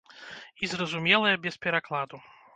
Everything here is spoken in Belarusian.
І зразумелая без перакладу.